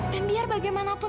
dan biar bagaimanapun